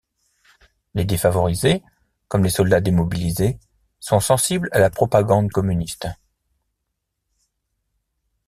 Les défavorisés, comme les soldats démobilisés, sont sensibles à la propagande communiste.